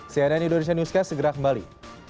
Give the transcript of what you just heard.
cnn indonesia newscast segera kembali